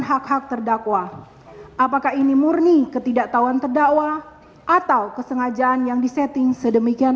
hak hak terdakwa apakah ini murni ketidaktahuan terdakwa atau kesengajaan yang disetting sedemikian